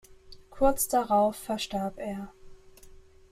Kurz darauf verstarb er.